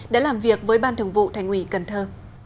đã làm việc với ban thường vụ thành ủy cần thơ